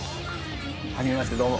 はじめましてどうも。